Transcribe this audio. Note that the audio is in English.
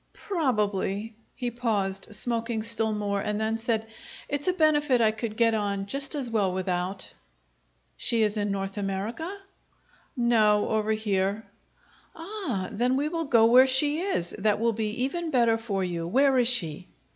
"Probably." He paused, smoking still more, and then said, "It's a benefit I could get on just as well without." "She is in North America?" "No; over here." "Ah! Then we will go where she is. That will be even better for you! Where is she?"